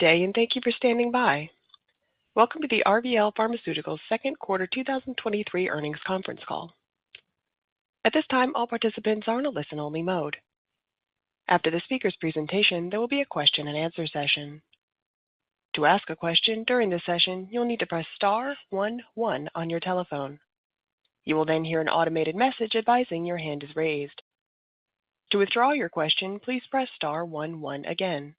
Good day. Thank you for standing by. Welcome to the RVL Pharmaceuticals' Second Quarter 2023 Earnings Conference Call. At this time, all participants are in a listen-only mode. After the speaker's presentation, there will be a question-and-answer session. To ask a question during this session, you'll need to press star one one on your telephone. You will then hear an automated message advising your hand is raised. To withdraw your question, please press star one one again.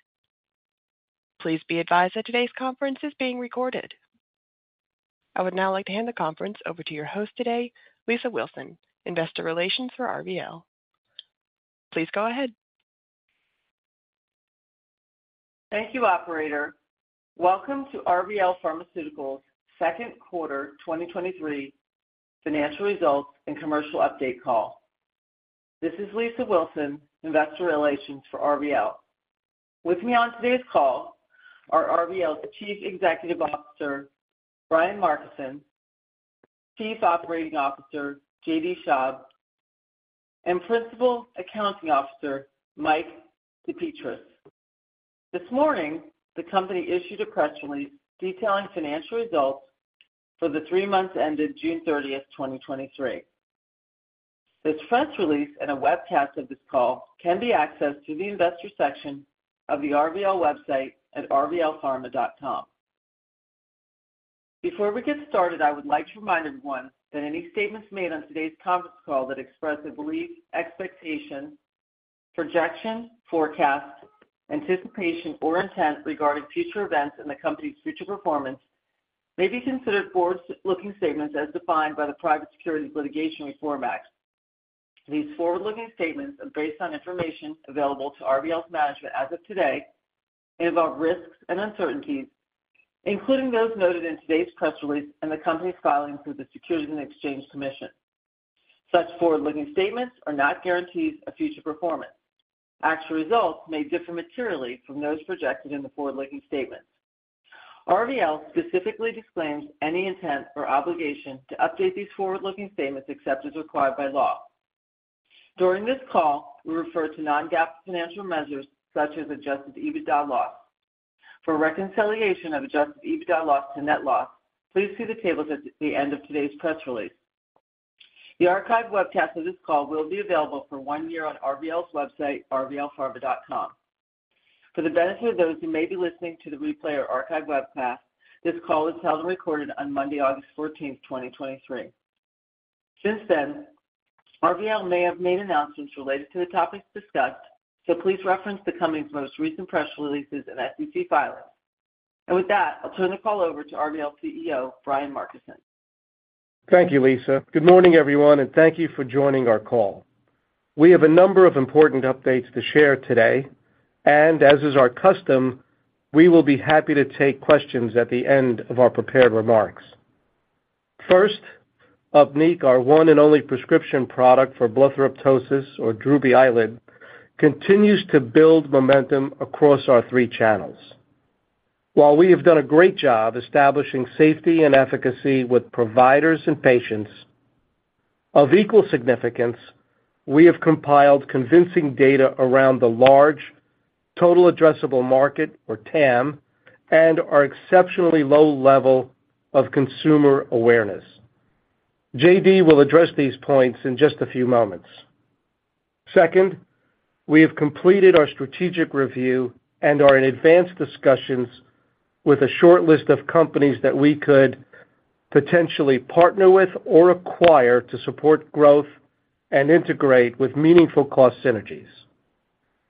Please be advised that today's conference is being recorded. I would now like to hand the conference over to your host today, Lisa Wilson, Investor Relations for RVL. Please go ahead. Thank you, operator. Welcome to RVL Pharmaceuticals' Second Quarter 2023 Financial Results and Commercial Update Call. This is Lisa Wilson, Investor Relations for RVL. With me on today's call are RVL's Chief Executive Officer, Brian Markison; Chief Operating Officer, JD Schaub; and Principal Accounting Officer, Mike DePetris. This morning, the company issued a press release detailing financial results for the three months ended June 30th, 2023. This press release and a webcast of this call can be accessed through the investor section of the RVL website at rvlpharma.com. Before we get started, I would like to remind everyone that any statements made on today's conference call that express a belief, expectation, projection, forecast, anticipation, or intent regarding future events and the Company's future performance may be considered forward-looking statements as defined by the Private Securities Litigation Reform Act. These forward-looking statements are based on information available to RVL's management as of today and involve risks and uncertainties, including those noted in today's press release and the Company's filings with the Securities and Exchange Commission. Such forward-looking statements are not guarantees of future performance. Actual results may differ materially from those projected in the forward-looking statements. RVL specifically disclaims any intent or obligation to update these forward-looking statements except as required by law. During this call, we refer to non-GAAP financial measures such as Adjusted EBITDA loss. For reconciliation of Adjusted EBITDA loss to net loss, please see the tables at the end of today's press release. The archived webcast of this call will be available for one year on RVL's website, rvlpharma.com. For the benefit of those who may be listening to the replay or archived webcast, this call was held and recorded on Monday, August 14, 2023. RVL may have made announcements related to the topics discussed, so please reference the Company's most recent press releases and SEC filings. With that, I'll turn the call over to RVL's CEO, Brian Markison. Thank you, Lisa. Good morning, everyone, and thank you for joining our call. We have a number of important updates to share today, as is our custom, we will be happy to take questions at the end of our prepared remarks. First, UPNEEQ, our one and only prescription product for blepharoptosis or droopy eyelid, continues to build momentum across our three channels. While we have done a great job establishing safety and efficacy with providers and patients, of equal significance, we have compiled convincing data around the large total addressable market, or TAM, and our exceptionally low level of consumer awareness. JD will address these points in just a few moments. Second, we have completed our strategic review and are in advanced discussions with a short list of companies that we could potentially partner with or acquire to support growth and integrate with meaningful cost synergies.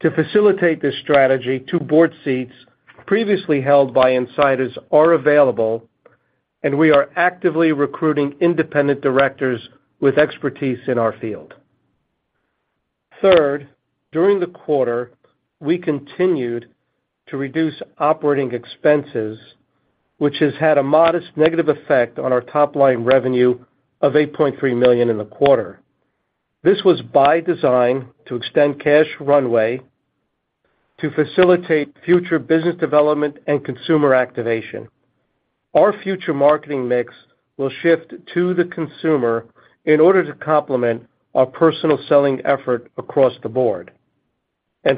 To facilitate this strategy, two board seats previously held by insiders are available, and we are actively recruiting independent directors with expertise in our field. Third, during the quarter, we continued to reduce operating expenses, which has had a modest negative effect on our top-line revenue of $8.3 million in the quarter. This was by design to extend cash runway to facilitate future business development and consumer activation. Our future marketing mix will shift to the consumer in order to complement our personal selling effort across the board.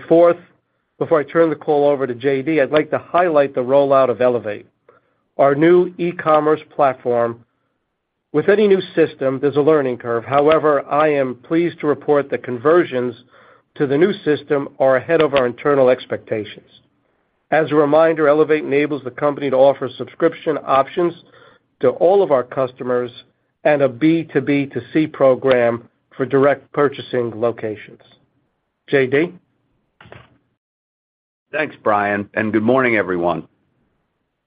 Fourth, before I turn the call over to JD, I'd like to highlight the rollout of Elevate, our new e-commerce platform. With any new system, there's a learning curve. However, I am pleased to report that conversions to the new system are ahead of our internal expectations. As a reminder, Elevate enables the company to offer subscription options to all of our customers and a B to B to C program for direct purchasing locations. JD? Thanks, Brian. Good morning, everyone.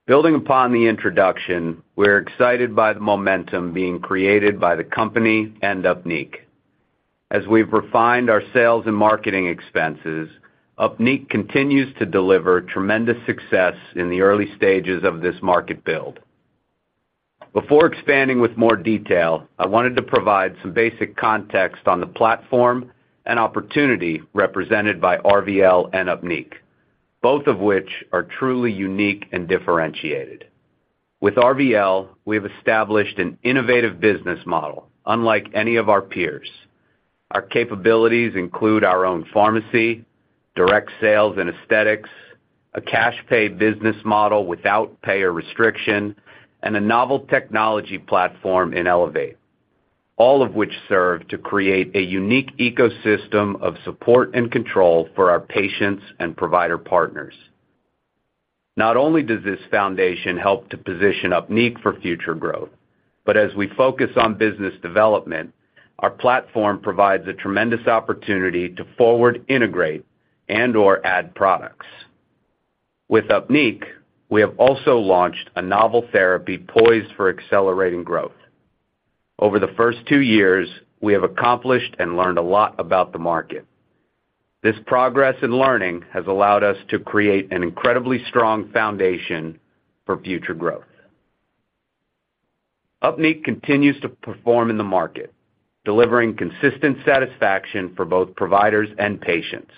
Building upon the introduction, we're excited by the momentum being created by the company and UPNEEQ. As we've refined our sales and marketing expenses, UPNEEQ continues to deliver tremendous success in the early stages of this market build. Before expanding with more detail, I wanted to provide some basic context on the platform and opportunity represented by RVL and UPNEEQ, both of which are truly unique and differentiated.... With RVL, we have established an innovative business model, unlike any of our peers. Our capabilities include our own pharmacy, direct sales and aesthetics, a cash pay business model without payer restriction, and a novel technology platform in Elevate, all of which serve to create a unique ecosystem of support and control for our patients and provider partners. Not only does this foundation help to position UPNEEQ for future growth, as we focus on business development, our platform provides a tremendous opportunity to forward, integrate, and or add products. With UPNEEQ, we have also launched a novel therapy poised for accelerating growth. Over the first two years, we have accomplished and learned a lot about the market. This progress and learning has allowed us to create an incredibly strong foundation for future growth. UPNEEQ continues to perform in the market, delivering consistent satisfaction for both providers and patients.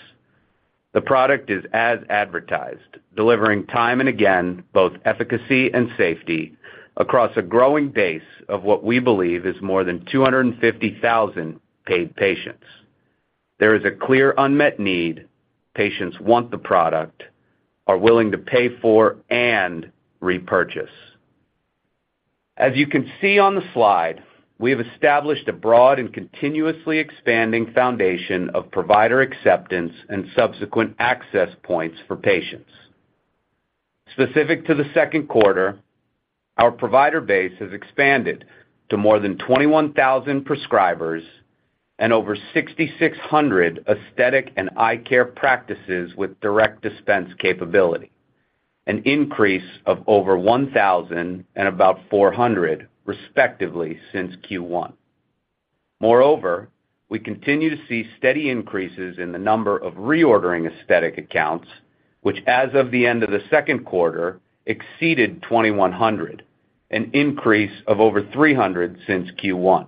The product is as advertised, delivering time and again, both efficacy and safety across a growing base of what we believe is more than 250,000 paid patients. There is a clear unmet need. Patients want the product, are willing to pay for and repurchase. As you can see on the slide, we have established a broad and continuously expanding foundation of provider acceptance and subsequent access points for patients. Specific to the second quarter, our provider base has expanded to more than 21,000 prescribers and over 6,600 aesthetic and eye care practices with direct dispense capability, an increase of over 1,000 and about 400, respectively, since Q1. Moreover, we continue to see steady increases in the number of reordering aesthetic accounts, which, as of the end of the second quarter, exceeded 2,100, an increase of over 300 since Q1.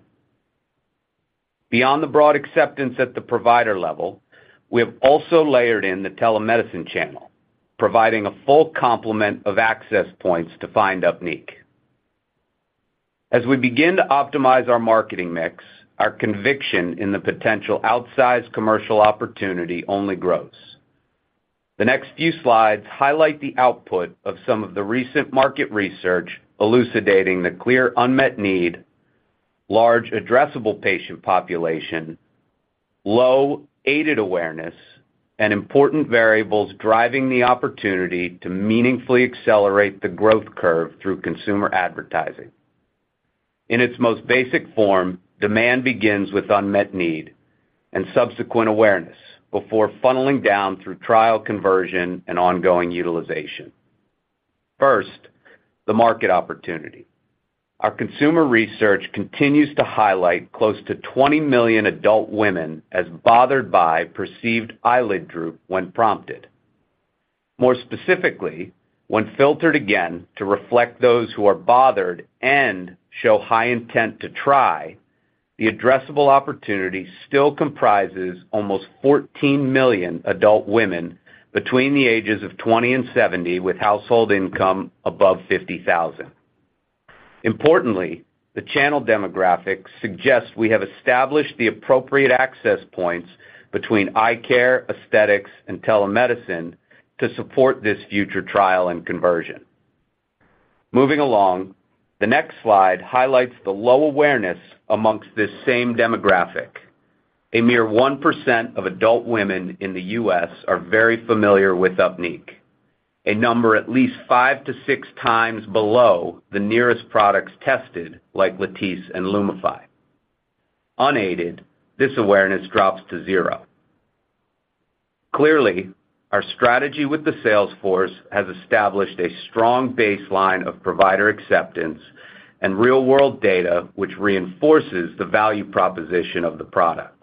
Beyond the broad acceptance at the provider level, we have also layered in the telemedicine channel, providing a full complement of access points to find UPNEEQ. As we begin to optimize our marketing mix, our conviction in the potential outsized commercial opportunity only grows. The next few slides highlight the output of some of the recent market research elucidating the clear unmet need, large addressable patient population, low aided awareness, and important variables driving the opportunity to meaningfully accelerate the growth curve through consumer advertising. In its most basic form, demand begins with unmet need and subsequent awareness, before funneling down through trial conversion and ongoing utilization. First, the market opportunity. Our consumer research continues to highlight close to 20 million adult women as bothered by perceived eyelid droop when prompted. More specifically, when filtered again to reflect those who are bothered and show high intent to try, the addressable opportunity still comprises almost 14 million adult women between the ages of 20 and 70, with household income above $50,000. Importantly, the channel demographics suggest we have established the appropriate access points between eye care, aesthetics, and telemedicine to support this future trial and conversion. Moving along, the next slide highlights the low awareness amongst this same demographic. A mere 1% of adult women in the U.S. are very familiar with UPNEEQ, a number at least 5-6 times below the nearest products tested, like Latisse and Lumify. Unaided, this awareness drops to 0. Clearly, our strategy with the sales force has established a strong baseline of provider acceptance and real-world data, which reinforces the value proposition of the product.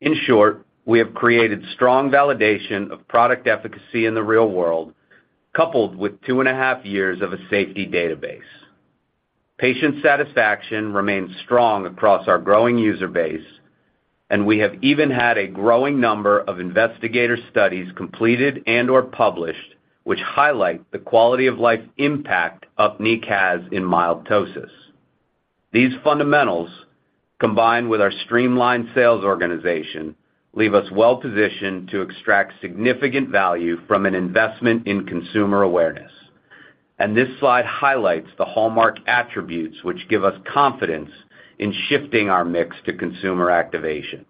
In short, we have created strong validation of product efficacy in the real world, coupled with 2.5 years of a safety database. Patient satisfaction remains strong across our growing user base, and we have even had a growing number of investigator studies completed and or published, which highlight the quality of life impact UPNEEQ has in mild ptosis. These fundamentals, combined with our streamlined sales organization, leave us well positioned to extract significant value from an investment in consumer awareness. This slide highlights the hallmark attributes which give us confidence in shifting our mix to consumer activation.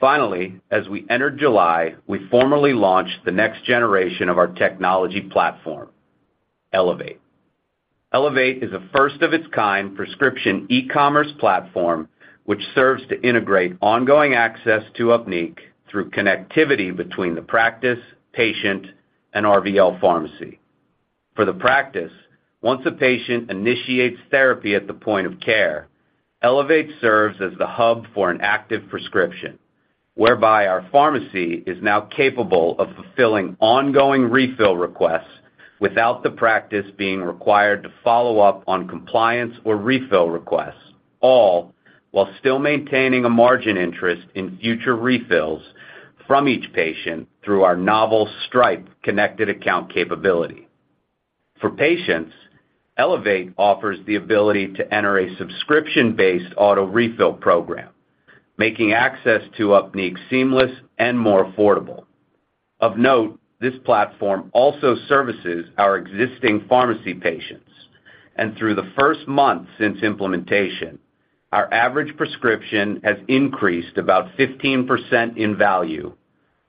Finally, as we entered July, we formally launched the next generation of our technology platform, Elevate. Elevate is a first of its kind prescription e-commerce platform, which serves to integrate ongoing access to UPNEEQ through connectivity between the practice, patient, and RVL Pharmacy. For the practice, once a patient initiates therapy at the point of care, Elevate serves as the hub for an active prescription, whereby our pharmacy is now capable of fulfilling ongoing refill requests without the practice being required to follow up on compliance or refill requests, all while still maintaining a margin interest in future refills... from each patient through our novel Stripe Connected Account capability. For patients, Elevate offers the ability to enter a subscription-based auto refill program, making access to UPNEEQ seamless and more affordable. Of note, this platform also services our existing pharmacy patients, and through the first month since implementation, our average prescription has increased about 15% in value,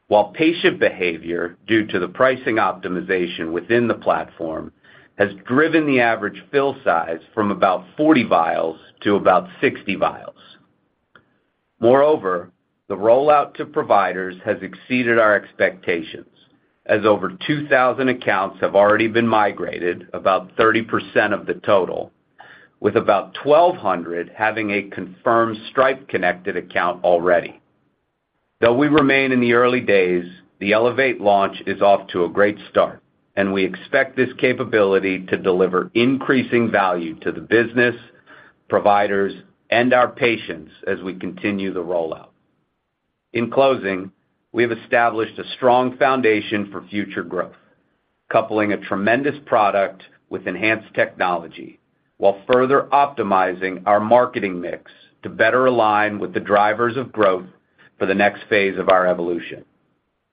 while patient behavior, due to the pricing optimization within the platform, has driven the average fill size from about 40 vials to about 60 vials. Moreover, the rollout to providers has exceeded our expectations, as over 2,000 accounts have already been migrated, about 30% of the total, with about 1,200 having a confirmed Stripe Connected Account already. We remain in the early days, the Elevate launch is off to a great start, and we expect this capability to deliver increasing value to the business, providers, and our patients as we continue the rollout. In closing, we have established a strong foundation for future growth, coupling a tremendous product with enhanced technology, while further optimizing our marketing mix to better align with the drivers of growth for the next phase of our evolution.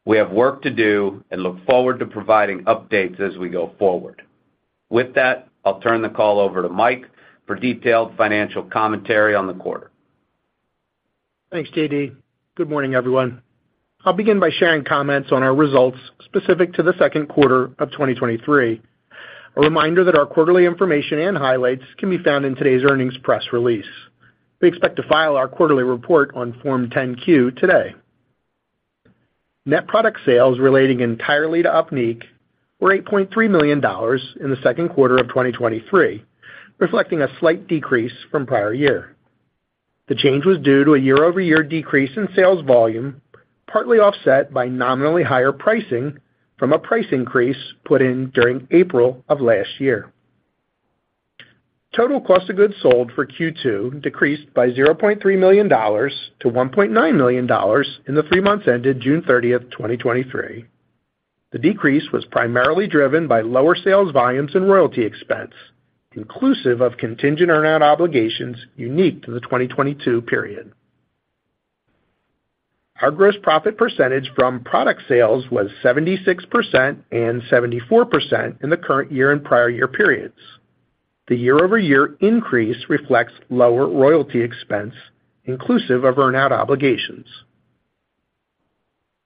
We have work to do and look forward to providing updates as we go forward. With that, I'll turn the call over to Mike for detailed financial commentary on the quarter. Thanks, JD. Good morning, everyone. I'll begin by sharing comments on our results specific to the second quarter of 2023. A reminder that our quarterly information and highlights can be found in today's earnings press release. We expect to file our quarterly report on Form 10-Q today. Net product sales relating entirely to UPNEEQ were $8.3 million in the second quarter of 2023, reflecting a slight decrease from prior year. The change was due to a year-over-year decrease in sales volume, partly offset by nominally higher pricing from a price increase put in during April of last year. Total cost of goods sold for Q2 decreased by $0.3 million to $1.9 million in the three months ended June 30th, 2023. The decrease was primarily driven by lower sales volumes and royalty expense, inclusive of contingent earn-out obligations unique to the 2022 period. Our gross profit percentage from product sales was 76% and 74% in the current year and prior year periods. The year-over-year increase reflects lower royalty expense, inclusive of earn-out obligations.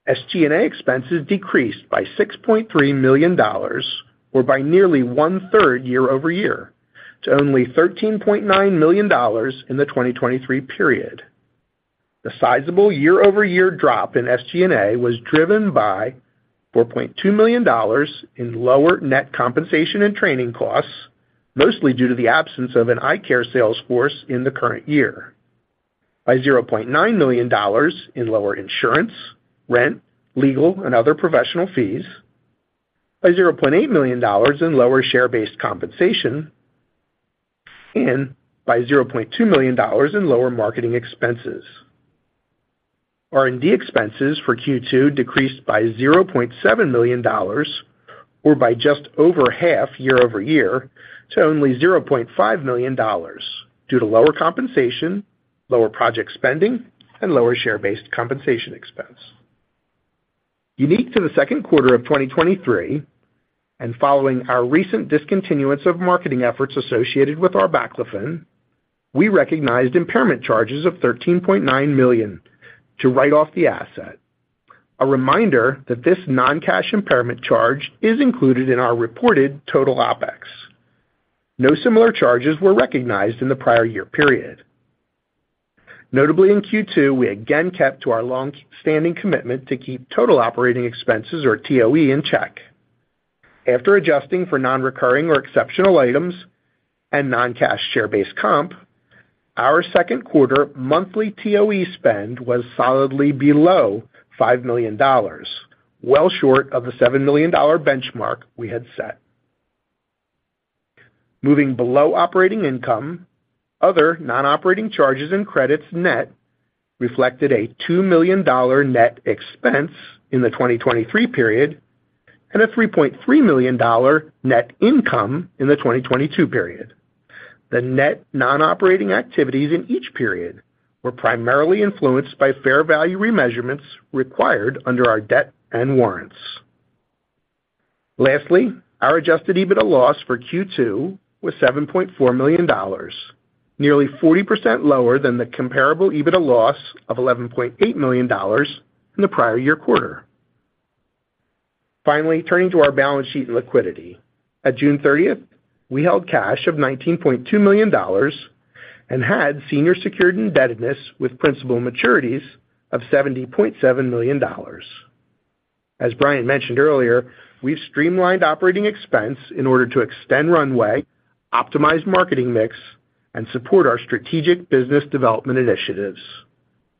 SG&A expenses decreased by $6.3 million, or by nearly one-third year-over-year, to only $13.9 million in the 2023 period. The sizable year-over-year drop in SG&A was driven by $4.2 million in lower net compensation and training costs, mostly due to the absence of an eye care sales force in the current year. By $0.9 million in lower insurance, rent, legal, and other professional fees, by $0.8 million in lower share-based compensation, and by $0.2 million in lower marketing expenses. R&D expenses for Q2 decreased by $0.7 million or by just over half year-over-year to only $0.5 million due to lower compensation, lower project spending, and lower share-based compensation expense. Unique to the second quarter of 2023, following our recent discontinuance of marketing efforts associated with our Arbaclofen, we recognized impairment charges of $13.9 million to write off the asset. A reminder that this non-cash impairment charge is included in our reported total OpEx. No similar charges were recognized in the prior year period. Notably, in Q2, we again kept to our long-standing commitment to keep total operating expenses, or TOE, in check. After adjusting for non-recurring or exceptional items and non-cash share-based comp, our second quarter monthly TOE spend was solidly below $5 million, well short of the $7 million benchmark we had set. Moving below operating income, other non-operating charges and credits net reflected a $2 million net expense in the 2023 period and a $3.3 million net income in the 2022 period. The net non-operating activities in each period were primarily influenced by fair value remeasurements required under our debt and warrants. Lastly, our Adjusted EBITDA loss for Q2 was $7.4 million, nearly 40% lower than the comparable EBITDA loss of $11.8 million in the prior-year quarter. Finally, turning to our balance sheet and liquidity. At June 30th, we held cash of $19.2 million and had senior secured indebtedness with principal maturities of $70.7 million. As Brian mentioned earlier, we've streamlined operating expense in order to extend runway, optimize marketing mix, and support our strategic business development initiatives.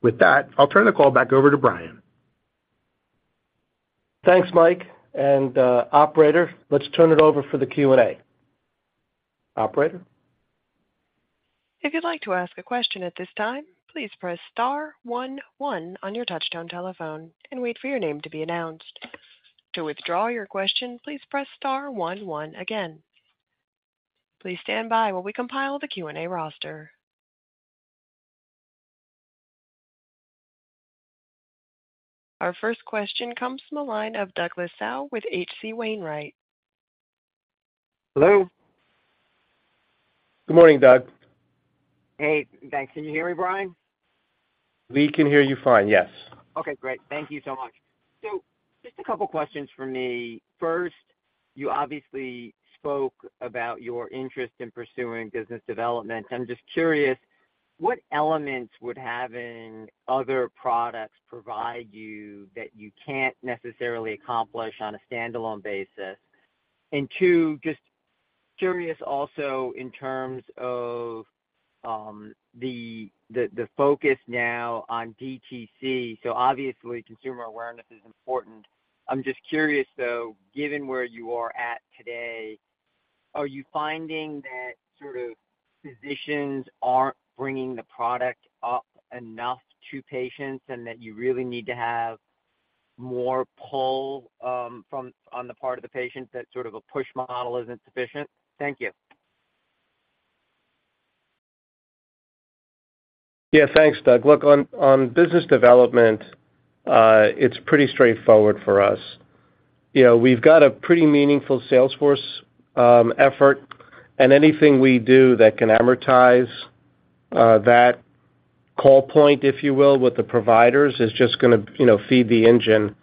With that, I'll turn the call back over to Brian. Thanks, Mike, and operator, let's turn it over for the Q&A. Operator? If you'd like to ask a question at this time, please press star one one on your touchtone telephone and wait for your name to be announced. To withdraw your question, please press star one one again. Please stand by while we compile the Q&A roster. Our first question comes from the line of Douglas Tsao with H.C. Wainwright. Hello. Good morning, Doug. Hey, thanks. Can you hear me, Brian? We can hear you fine, yes. Okay, great. Thank you so much. Just a couple questions for me. First, you obviously spoke about your interest in pursuing business development. I'm just curious, what elements would having other products provide you that you can't necessarily accomplish on a standalone basis? Two, just curious also in terms of the, the, the focus now on DTC. Obviously, consumer awareness is important. I'm just curious, though, given where you are at today, are you finding that sort of physicians aren't bringing the product up enough to patients and that you really need to have more pull from, on the part of the patient, that sort of a push model isn't sufficient? Thank you. Yeah, thanks, Doug. Look, on, on business development, it's pretty straightforward for us. You know, we've got a pretty meaningful sales force, effort, and anything we do that can amortize, that call point, if you will, with the providers, is just gonna, you know, feed the engine.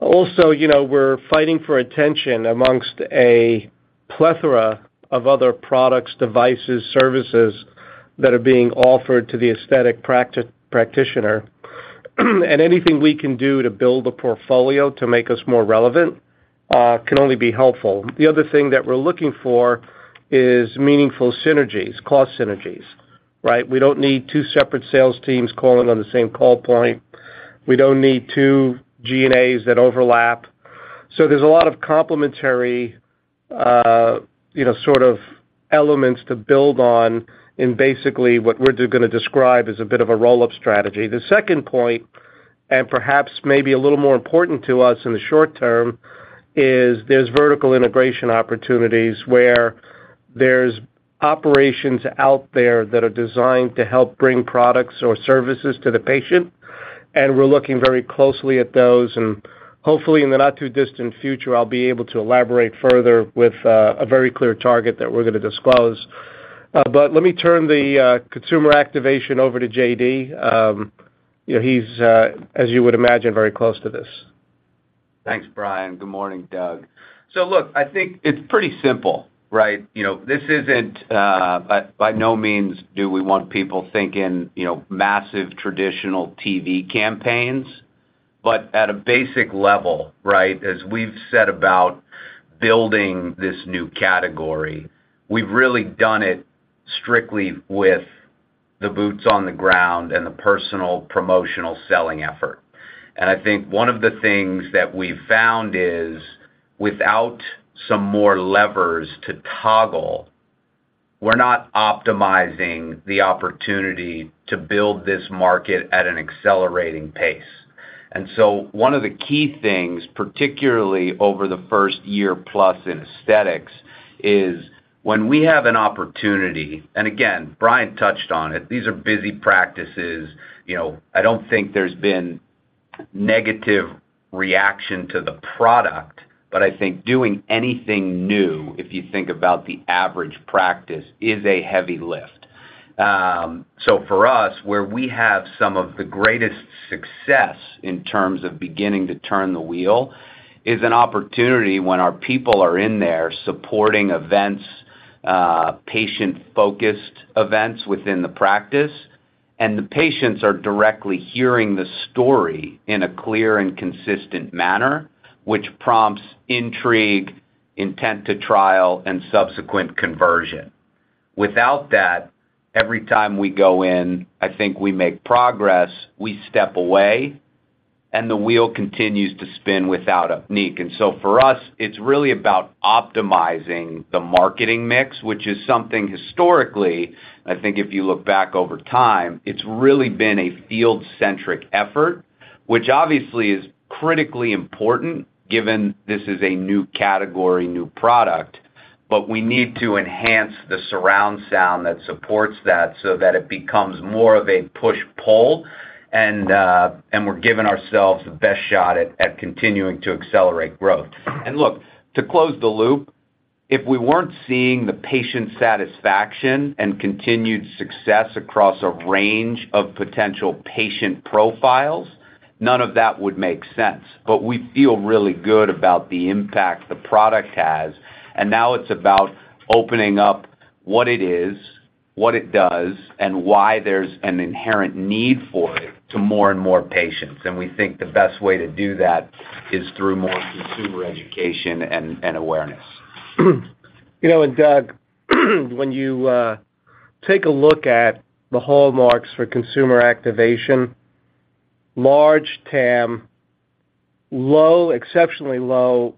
Also, you know, we're fighting for attention amongst a plethora of other products, devices, services that are being offered to the aesthetic practitioner, and anything we can do to build the portfolio to make us more relevant, can only be helpful. The other thing that we're looking for is meaningful synergies, cost synergies, right? We don't need two separate sales teams calling on the same call point. We don't need two G&As that overlap. There's a lot of complementary, you know, sort of elements to build on in basically what we're gonna describe as a bit of a roll-up strategy. The second point, and perhaps maybe a little more important to us in the short term, is there's vertical integration opportunities where there's operations out there that are designed to help bring products or services to the patient, and we're looking very closely at those. Hopefully, in the not too distant future, I'll be able to elaborate further with a very clear target that we're going to disclose. Let me turn the consumer activation over to JD. You know, he's, as you would imagine, very close to this. Thanks, Brian. Good morning, Doug. Look, I think it's pretty simple, right? You know, this isn't by no means do we want people thinking, you know, massive traditional TV campaigns, but at a basic level, right, as we've set about building this new category, we've really done it strictly with the boots on the ground and the personal promotional selling effort. I think one of the things that we've found is, without some more levers to toggle, we're not optimizing the opportunity to build this market at an accelerating pace. One of the key things, particularly over the first year plus in aesthetics, is when we have an opportunity, and again, Brian touched on it, these are busy practices, you know, I don't think there's been negative reaction to the product, but I think doing anything new, if you think about the average practice, is a heavy lift. So for us, where we have some of the greatest success in terms of beginning to turn the wheel, is an opportunity when our people are in there supporting events, patient-focused events within the practice, and the patients are directly hearing the story in a clear and consistent manner, which prompts intrigue, intent to trial and subsequent conversion. Without that, every time we go in, I think we make progress, we step away, and the wheel continues to spin without a unique. So for us, it's really about optimizing the marketing mix, which is something historically, I think if you look back over time, it's really been a field-centric effort, which obviously is critically important, given this is a new category, new product, but we need to enhance the surround sound that supports that so that it becomes more of a push-pull, and, and we're giving ourselves the best shot at, at continuing to accelerate growth. Look, to close the loop, if we weren't seeing the patient satisfaction and continued success across a range of potential patient profiles, none of that would make sense. We feel really good about the impact the product has, and now it's about opening up what it is, what it does, and why there's an inherent need for it to more and more patients. we think the best way to do that is through more consumer education and awareness. You know, Doug, when you take a look at the hallmarks for consumer activation, large TAM, low, exceptionally low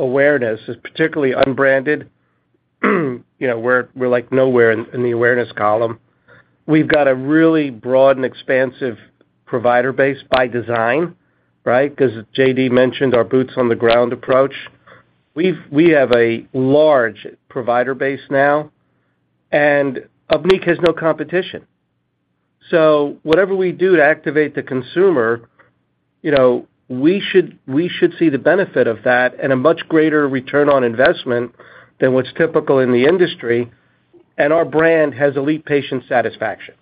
awareness, is particularly unbranded. You know, we're like nowhere in the awareness column. We've got a really broad and expansive provider base by design, right? Because JD mentioned our boots on the ground approach. We have a large provider base now, and UPNEEQ has no competition. Whatever we do to activate the consumer, you know, we should, we should see the benefit of that and a much greater ROI than what's typical in the industry. Our brand has elite patient satisfaction.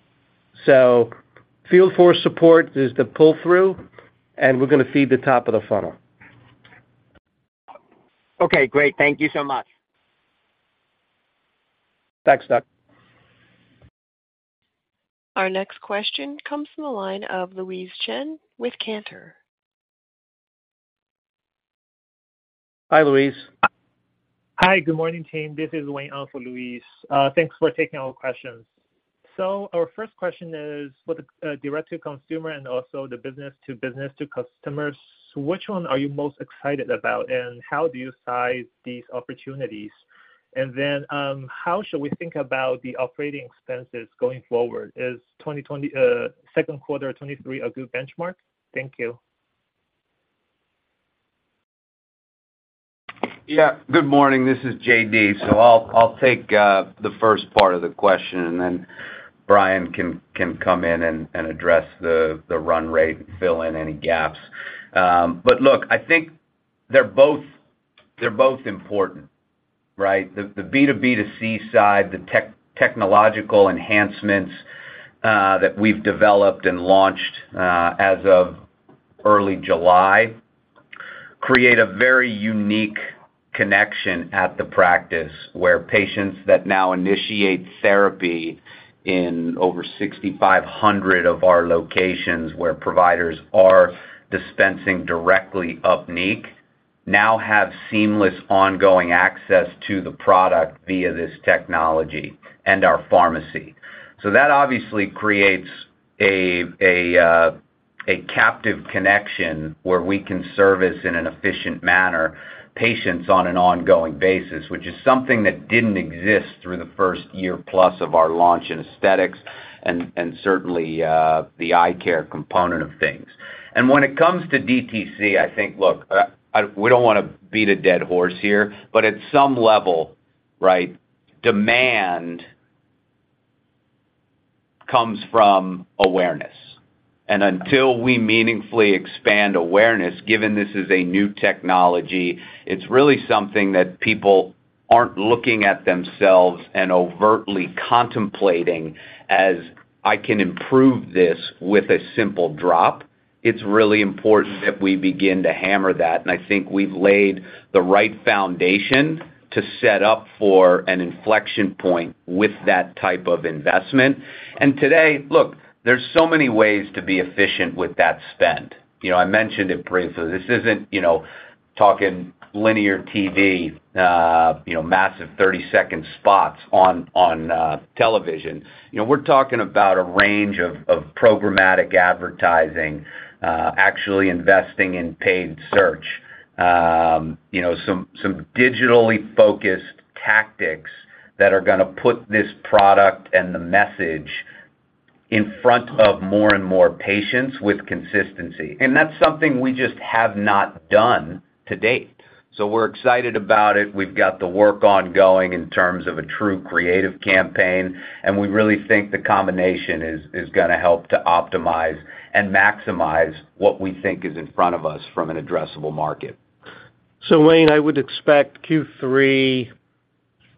Field force support is the pull-through, and we're gonna feed the top of the funnel. Okay, great. Thank you so much. Thanks, Doug. Our next question comes from the line of Louise Chen with Cantor. Hi, Louise. Hi. Good morning, team. This is Wayne on for Louise. Thanks for taking our questions. Our first question is, with the direct to consumer and also the business to business to customers, which one are you most excited about, and how do you size these opportunities? How should we think about the operating expenses going forward? Is 2020, Q2 2023 a good benchmark? Thank you. Yeah. Good morning. This is JD. I'll, I'll take the first part of the question, and then Brian can, can come in and, and address the, the run rate and fill in any gaps. Look, I think they're both, they're both important, right? The, the B2B2C side, the tech- technological enhancements that we've developed and launched as of early July, create a very unique connection at the practice, where patients that now initiate therapy in over 6,500 of our locations, where providers are dispensing directly UPNEEQ, now have seamless, ongoing access to the product via this technology and our pharmacy. That obviously creates a, a captive connection where we can service in an efficient manner, patients on an ongoing basis, which is something that didn't exist through the first year plus of our launch in aesthetics and, certainly, the eye care component of things. When it comes to DTC, I think, look, we don't wanna beat a dead horse here, but at some level, right, demand comes from awareness. Until we meaningfully expand awareness, given this is a new technology, it's really something that people aren't looking at themselves and overtly contemplating as I can improve this with a simple drop. It's really important that we begin to hammer that, and I think we've laid the right foundation to set up for an inflection point with that type of investment. Today, look, there's so many ways to be efficient with that spend. You know, I mentioned it briefly. This isn't, you know, talking linear TV, you know, massive 30-second spots on, on, television. You know, we're talking about a range of, of programmatic advertising, actually investing in paid search, you know, some, some digitally focused tactics that are gonna put this product and the message in front of more and more patients with consistency. That's something we just have not done to date. We're excited about it. We've got the work ongoing in terms of a true creative campaign, and we really think the combination is, is gonna help to optimize and maximize what we think is in front of us from an addressable market. Wayne, I would expect Q3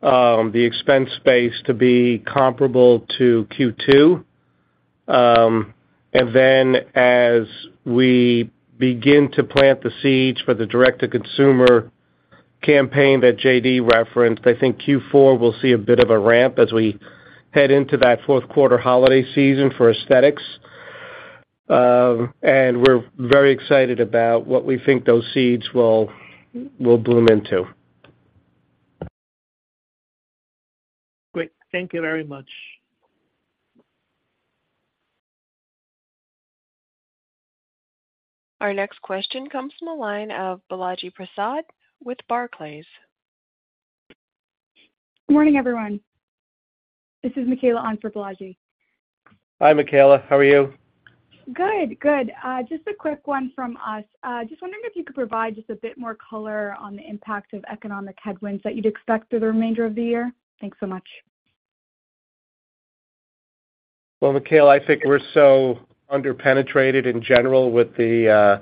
the expense space to be comparable to Q2. Then as we begin to plant the seeds for the direct-to-consumer campaign that JD referenced, I think Q4 will see a bit of a ramp as we head into that fourth quarter holiday season for aesthetics. We're very excited about what we think those seeds will, will bloom into. Great. Thank you very much. Our next question comes from the line of Balaji Prasad with Barclays. Good morning, everyone. This is Michaela on for Balaji. Hi, Michaela. How are you? Good, good. Just a quick one from us. Just wondering if you could provide just a bit more color on the impact of economic headwinds that you'd expect through the remainder of the year. Thanks so much. Well, Michaela, I think we're so underpenetrated in general with the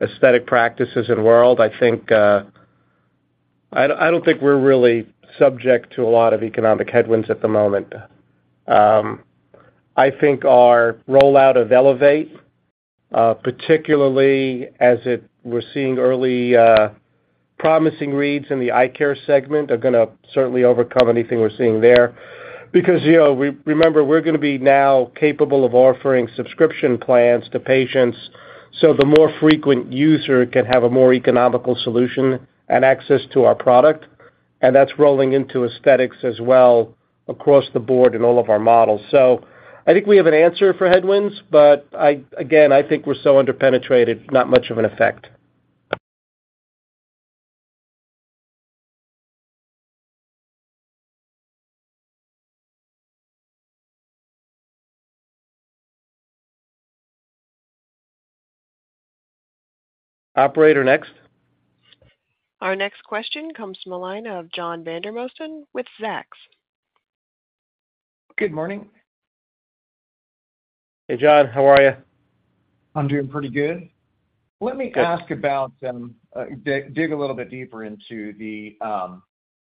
aesthetic practices in the world. I think. I don't, I don't think we're really subject to a lot of economic headwinds at the moment. I think our rollout of Elevate, particularly as it we're seeing early, promising reads in the eye care segment, are gonna certainly overcome anything we're seeing there. Because, you know, we-- remember, we're gonna be now capable of offering subscription plans to patients, so the more frequent user can have a more economical solution and access to our product. That's rolling into aesthetics as well across the board in all of our models. I think we have an answer for headwinds. I, again, I think we're so underpenetrated, not much of an effect. Operator, next? Our next question comes from the line of John Vandermosten with Zacks. Good morning. Hey, John, how are you? I'm doing pretty good. Good. Let me ask about, dig, dig a little bit deeper into the,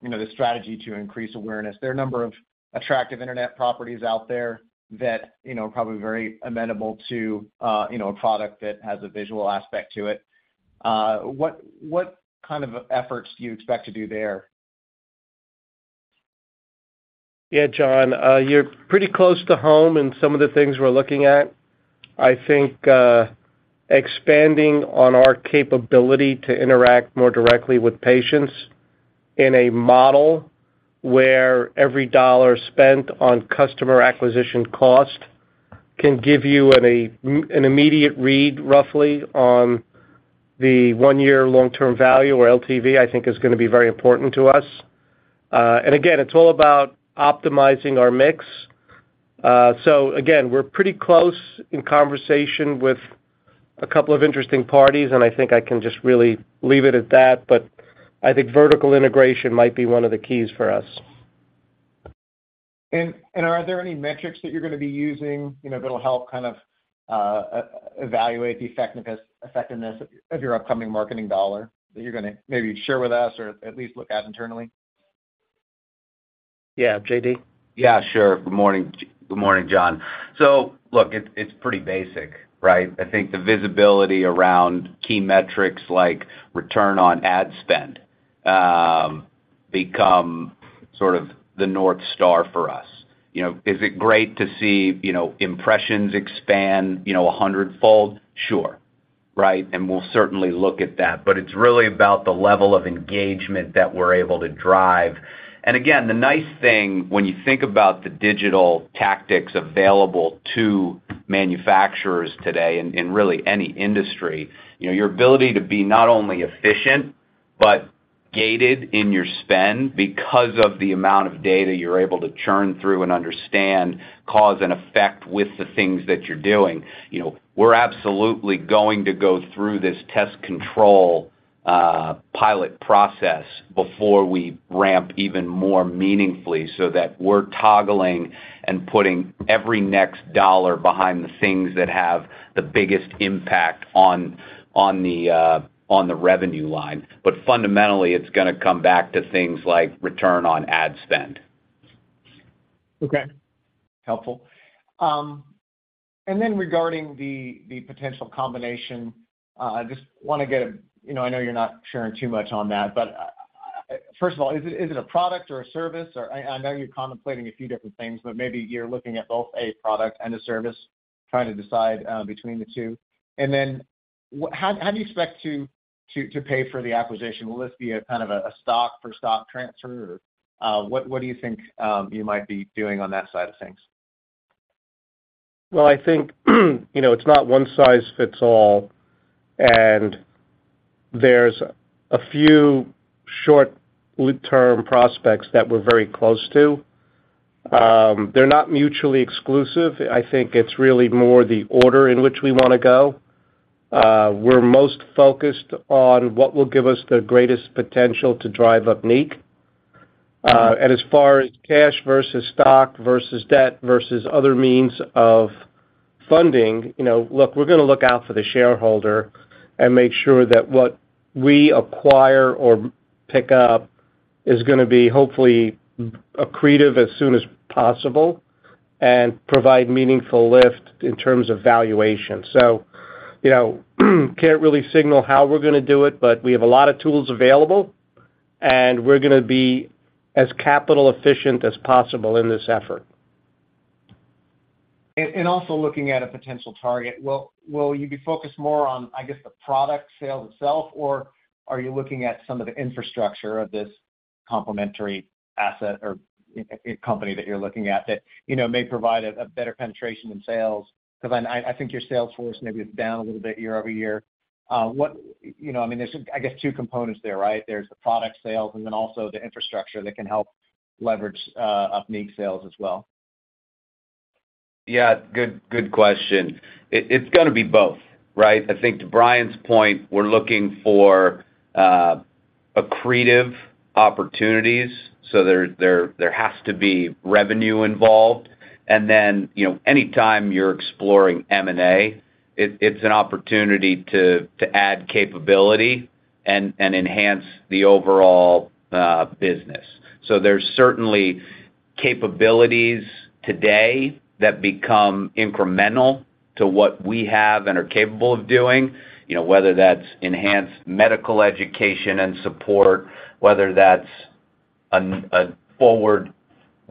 you know, the strategy to increase awareness. There are a number of attractive internet properties out there that, you know, are probably very amenable to, you know, a product that has a visual aspect to it. What, what kind of efforts do you expect to do there? Yeah, John, you're pretty close to home in some of the things we're looking at. I think, expanding on our capability to interact more directly with patients in a model where every dollar spent on customer acquisition cost can give you an immediate read, roughly, on the 1-year long-term value, or LTV, I think is gonna be very important to us. Again, it's all about optimizing our mix. Again, we're pretty close in conversation with a couple of interesting parties, and I think I can just really leave it at that, but I think vertical integration might be one of the keys for us. Are there any metrics that you're gonna be using, you know, that'll help kind of evaluate the effectiveness, effectiveness of your upcoming marketing dollar, that you're gonna maybe share with us or at least look at internally? Yeah, JD? Yeah, sure. Good morning. Good morning, John. Look, it's, it's pretty basic, right? I think the visibility around key metrics like return on ad spend, become sort of the North Star for us. You know, is it great to see, you know, impressions expand, you know, 100-fold? Sure, right? We'll certainly look at that. It's really about the level of engagement that we're able to drive. Again, the nice thing when you think about the digital tactics available to manufacturers today in, in really any industry, you know, your ability to be not only efficient, but gated in your spend because of the amount of data you're able to churn through and understand cause and effect with the things that you're doing. You know, we're absolutely going to go through this test control, pilot process before we ramp even more meaningfully so that we're toggling and putting every next dollar behind the things that have the biggest impact on, on the, on the revenue line. Fundamentally, it's gonna come back to things like return on ad spend. Okay. Helpful. Regarding the, the potential combination, I just wanna get a... You know, I know you're not sharing too much on that, but, first of all, is it, is it a product or a service, or I, I know you're contemplating a few different things, but maybe you're looking at both a product and a service, trying to decide, between the two. How, how do you expect to, to, to pay for the acquisition? Will this be a kind of a stock-for-stock transfer? What, what do you think, you might be doing on that side of things? Well, I think, you know, it's not one size fits all, and there's a few short-term prospects that we're very close to. They're not mutually exclusive. I think it's really more the order in which we wanna go. We're most focused on what will give us the greatest potential to drive UPNEEQ. As far as cash versus stock versus debt versus other means of funding, you know, look, we're gonna look out for the shareholder and make sure that what we acquire or pick up is gonna be hopefully accretive as soon as possible and provide meaningful lift in terms of valuation. You know, can't really signal how we're gonna do it, but we have a lot of tools available, and we're gonna be as capital efficient as possible in this effort. Also looking at a potential target, will, will you be focused more on, I guess, the product sale itself, or are you looking at some of the infrastructure of this complementary asset or i- a company that you're looking at that, you know, may provide a, a better penetration in sales? Because I, I think your sales force maybe is down a little bit year over year. What, you know, I mean, there's, I guess, two components there, right? There's the product sales and then also the infrastructure that can help leverage UPNEEQ sales as well. Yeah, good, good question. It, it's gonna be both, right? I think to Brian's point, we're looking for accretive opportunities, so there, there, there has to be revenue involved. Then, you know, anytime you're exploring M&A, it, it's an opportunity to, to add capability and, and enhance the overall business. There's certainly capabilities today that become incremental to what we have and are capable of doing, you know, whether that's enhanced medical education and support, whether that's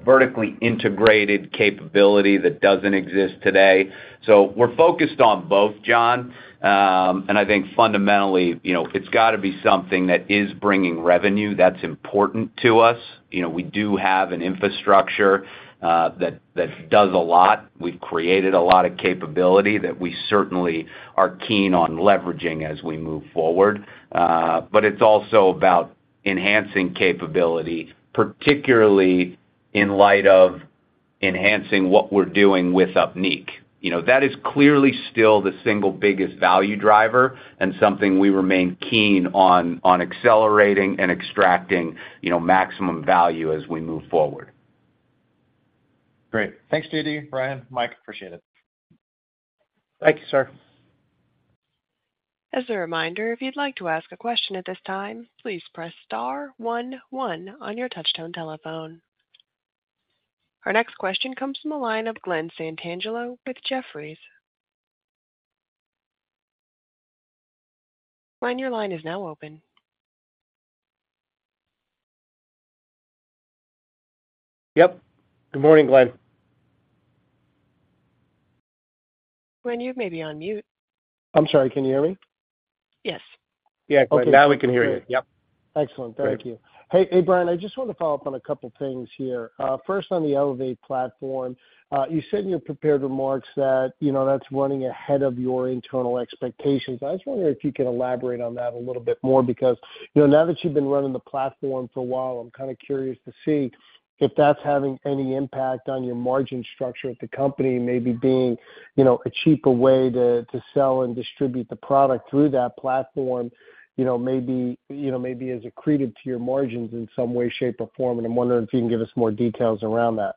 vertically integrated capability that doesn't exist today. We're focused on both, John. I think fundamentally, you know, it's got to be something that is bringing revenue. That's important to us. You know, we do have an infrastructure that, that does a lot. We've created a lot of capability that we certainly are keen on leveraging as we move forward. It's also about enhancing capability, particularly in light of enhancing what we're doing with UPNEEQ. You know, that is clearly still the single biggest value driver and something we remain keen on, on accelerating and extracting, you know, maximum value as we move forward. Great. Thanks, JD, Brian, Mike, appreciate it. Thank you, sir. As a reminder, if you'd like to ask a question at this time, please press star one one on your touchtone telephone. Our next question comes from the line of Glen Santangelo with Jefferies. Glen, your line is now open. Yep. Good morning, Glen. Glen, you may be on mute. I'm sorry. Can you hear me? Yes. Yeah, Glen, now we can hear you. Yep. Excellent. Thank you. Great. Hey, hey, Brian, I just want to follow up on a couple things here. First, on the Elevate platform, you said in your prepared remarks that, you know, that's running ahead of your internal expectations. I was wondering if you could elaborate on that a little bit more, because, you know, now that you've been running the platform for a while, I'm kinda curious to see if that's having any impact on your margin structure at the company, maybe being, you know, a cheaper way to, to sell and distribute the product through that platform. You know, maybe, you know, maybe is accretive to your margins in some way, shape, or form, and I'm wondering if you can give us more details around that.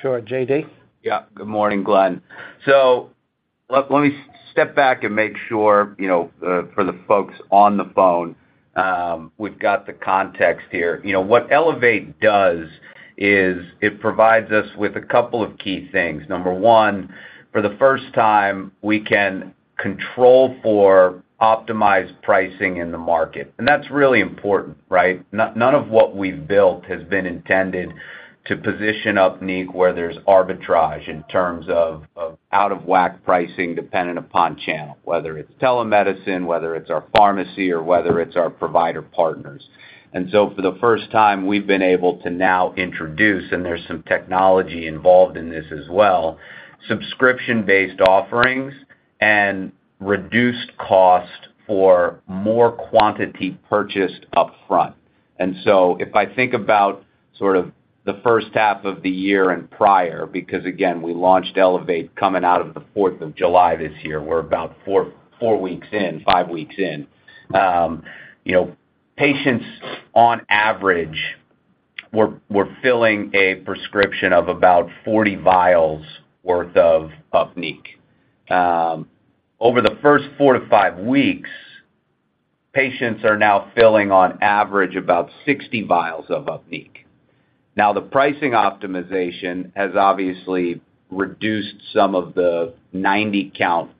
Sure, JD? Yeah. Good morning, Glen. Let me step back and make sure, you know, for the folks on the phone, we've got the context here. You know, what Elevate does is it provides us with a couple of key things. Number one, for the first time, we can control for optimized pricing in the market, and that's really important, right? None of what we've built has been intended to position UPNEEQ where there's arbitrage in terms of out-of-whack pricing dependent upon channel, whether it's telemedicine, whether it's our pharmacy, or whether it's our provider partners. For the first time, we've been able to now introduce, and there's some technology involved in this as well, subscription-based offerings and reduced cost for more quantity purchased upfront. So if I think about sort of the first half of the year and prior, because, again, we launched Elevate coming out of the 4th of July this year, we're about four, four weeks in, five weeks in. You know, patients on average were, were filling a prescription of about 40 vials worth of UPNEEQ. Over the first four to five weeks, patients are now filling on average about 60 vials of UPNEEQ. Now, the pricing optimization has obviously reduced some of the 90-count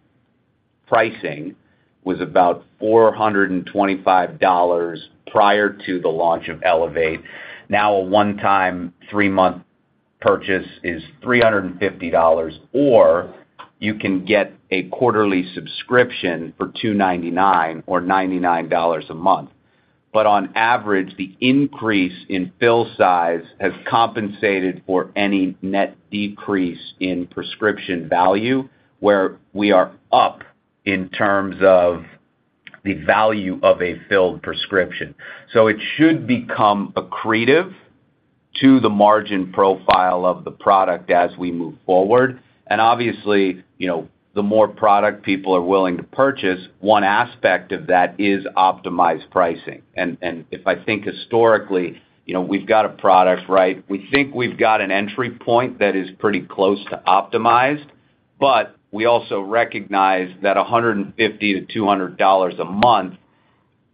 pricing, was about $425 prior to the launch of Elevate. Now, a one-time, three-month purchase is $350, or you can get a quarterly subscription for $299 or $99 a month. On average, the increase in fill size has compensated for any net decrease in prescription value, where we are up in terms of the value of a filled prescription. It should become accretive to the margin profile of the product as we move forward. Obviously, you know, the more product people are willing to purchase, one aspect of that is optimized pricing. If I think historically, you know, we've got a product, right? We think we've got an entry point that is pretty close to optimized, but we also recognize that $150-$200 a month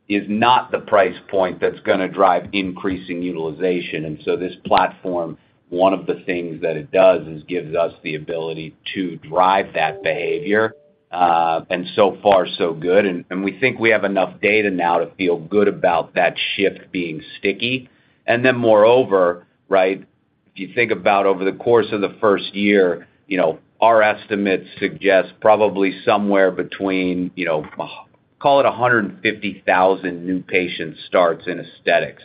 is not the price point that's gonna drive increasing utilization. This platform, one of the things that it does, is gives us the ability to drive that behavior, and so far, so good. We think we have enough data now to feel good about that shift being sticky. Moreover, right, if you think about over the course of the first year, you know, our estimates suggest probably somewhere between, you know, call it $150,000 new patient starts in aesthetics.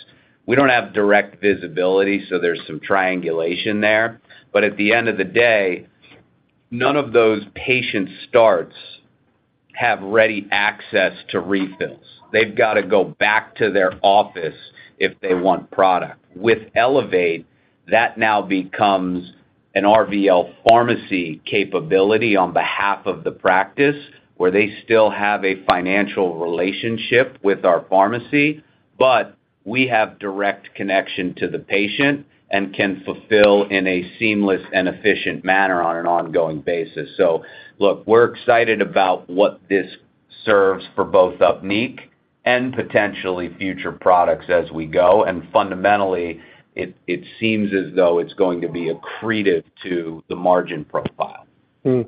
We don't have direct visibility, so there's some triangulation there. At the end of the day, none of those patient starts have ready access to refills. They've got to go back to their office if they want product. With Elevate, that now becomes an RVL Pharmacy capability on behalf of the practice, where they still have a financial relationship with our pharmacy, but we have direct connection to the patient and can fulfill in a seamless and efficient manner on an ongoing basis. Look, we're excited about what this serves for both UPNEEQ and potentially future products as we go. Fundamentally, it seems as though it's going to be accretive to the margin profile. You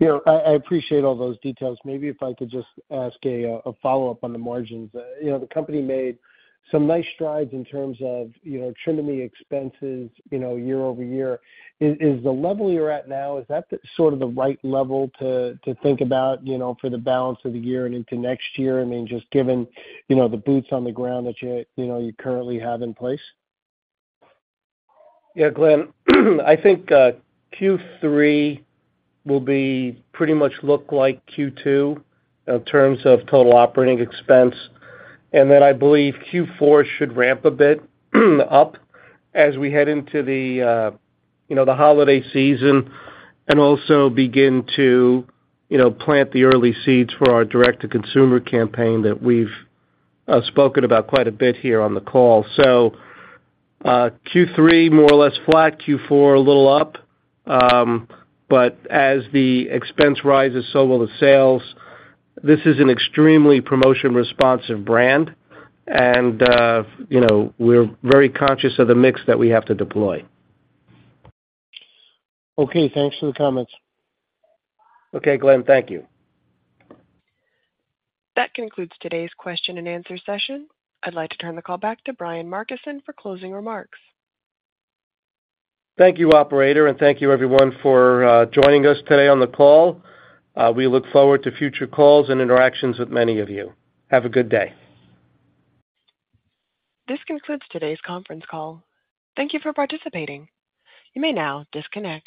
know, I, I appreciate all those details. Maybe if I could just ask a follow-up on the margins. You know, the company made some nice strides in terms of, you know, trimming the expenses, you know, year-over-year. Is, is the level you're at now, is that the sort of the right level to, to think about, you know, for the balance of the year and into next year? I mean, just given, you know, the boots on the ground that you, you know, you currently have in place. Yeah, Glen, I think Q3 will be pretty much look like Q2 in terms of total operating expense. Then I believe Q4 should ramp a bit, up as we head into the, you know, the holiday season and also begin to, you know, plant the early seeds for our direct-to-consumer campaign that we've spoken about quite a bit here on the call. Q3, more or less flat, Q4, a little up. As the expense rises, so will the sales. This is an extremely promotion-responsive brand, and, you know, we're very conscious of the mix that we have to deploy. Okay, thanks for the comments. Okay, Glen. Thank you. That concludes today's question and answer session. I'd like to turn the call back to Brian Markison for closing remarks. Thank you, operator, and thank you everyone for joining us today on the call. We look forward to future calls and interactions with many of you. Have a good day. This concludes today's conference call. Thank you for participating. You may now disconnect.